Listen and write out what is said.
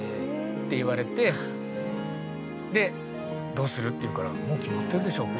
って言われて「どうする？」って言うから「もう決まってるでしょ」。